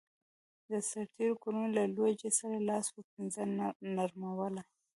د سرتېرو کورنیو له لوږې سره لاس و پنجه نرموله